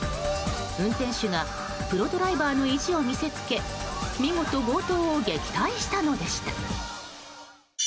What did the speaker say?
運転手がプロドライバーの意地を見せつけ見事、強盗を撃退したのでした。